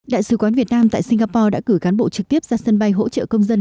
đại sứ quán việt nam tại singapore đã cử cán bộ trực tiếp ra sân bay hỗ trợ công dân